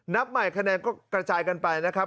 นับใหม่คะแนนก็กระจายกันไปนะครับ